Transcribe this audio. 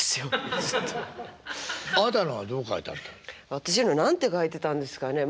私の何て書いてたんですかね